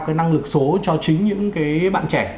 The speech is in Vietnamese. cái năng lực số cho chính những cái bạn trẻ